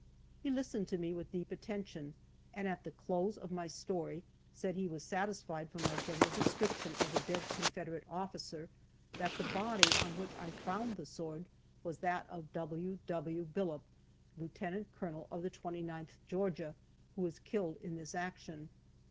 He listened to me with deep attention, and at the close of my story, said he was satisfied from my general description of the dead Confederate officer that the body on which I found the sword was that of W. W. Billopp, lieutenant colonel of the 29th Georgia, who was killed in this action.